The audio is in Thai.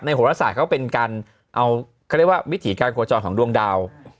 ในโหลศักดิ์เขาเป็นการเอาเขาเรียกว่าวิถีการกระจอดของดวงดาว